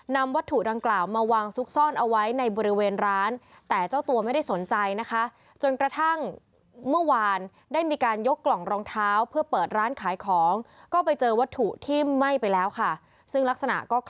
นำวัตถุดังกล่าวมาวางซุกซ่อนเอาไว้ในบริเวณร้าน